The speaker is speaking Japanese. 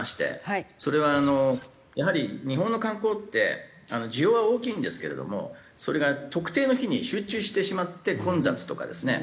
それはやはり日本の観光って需要は大きいんですけれどもそれが特定の日に集中してしまって混雑とかですね。